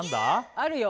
あるよ